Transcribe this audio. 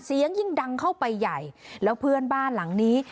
ยิ่งดังเข้าไปใหญ่แล้วเพื่อนบ้านหลังนี้